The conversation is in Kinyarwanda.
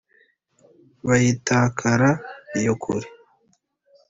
biyitakara iyo kure